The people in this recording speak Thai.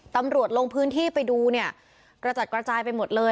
ตำรวจลงพื้นที่ไปดูเนี่ยกระจัดกระจายไปหมดเลย